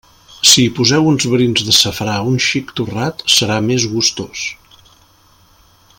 Si hi poseu uns brins de safrà un xic torrat, serà més gustós.